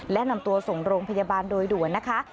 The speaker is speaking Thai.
และนำตัวส่งโรงพยาบาลโดยด่วนนะคะ